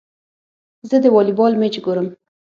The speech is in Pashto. زه د والي بال مېچ ګورم.